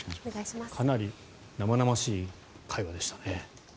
かなり生々しい会話でしたね。